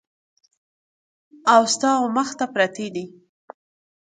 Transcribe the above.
او ستا ومخ ته پرتې دي !